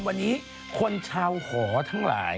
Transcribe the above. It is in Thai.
วันนี้คนชาวหอทั้งหลาย